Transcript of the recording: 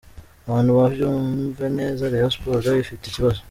Abantu babyumve neza, Rayon Sports ifite ikibazo